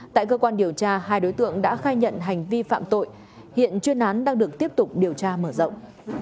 tại cơ quan điều tra hai đối tượng đã khai nhận hành vi phạm tội hiện chuyên án đang được tiếp tục điều tra mở rộng